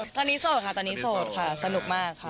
ตอนนี้โสดค่ะตอนนี้โสดค่ะสนุกมากค่ะ